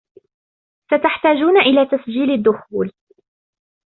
ستحتاجون الى تسجيل الدخول